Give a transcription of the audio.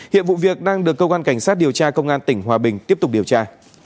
hiện vụ việc đang được cơ quan cảnh sát điều tra công an tỉnh hòa bình tiếp tục điều tra